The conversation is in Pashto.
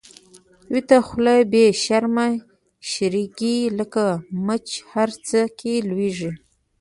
ويته خوله بی شرمه شرګی، لکه مچ هر څه کی لويږی